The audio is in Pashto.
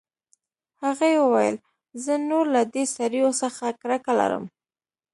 هغې وویل زه نور له دې سړیو څخه کرکه لرم